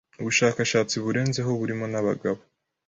ubushakashatsi burenzeho burimo n'abagabo